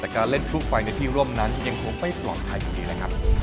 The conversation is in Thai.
แต่การเล่นพลุไฟในที่ร่มนั้นยังคงไม่ปลอดภัยอยู่ดีนะครับ